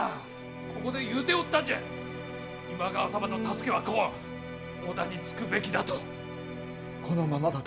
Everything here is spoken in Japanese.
ここで言うておったんじゃ今川様の助けは来ん織田につくべきだと。